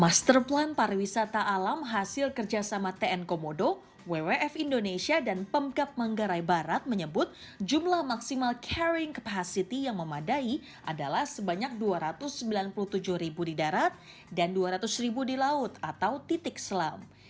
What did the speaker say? master plan pariwisata alam hasil kerjasama tn komodo wwf indonesia dan pemkap manggarai barat menyebut jumlah maksimal catering capacity yang memadai adalah sebanyak dua ratus sembilan puluh tujuh ribu di darat dan dua ratus ribu di laut atau titik selam